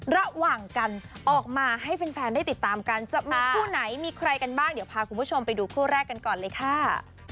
ระหว่างกันออกมาให้แฟนได้ติดตามกันจะมีคู่ไหนมีใครกันบ้างเดี๋ยวพาคุณผู้ชมไปดูคู่แรกกันก่อนเลยค่ะ